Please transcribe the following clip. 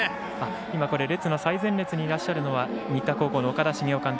今列の最前列にいらっしゃいますのは新田高校の岡田茂雄監督。